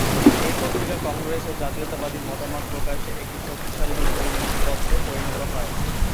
এ পত্রিকা কংগ্রেস ও জাতীয়তাবাদী মতামত প্রকাশে একটি শক্তিশালী বিপ্লবী মুখপত্রে পরিণত হয়।